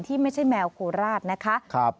ไม่ใช่แมวโคราชนะคะ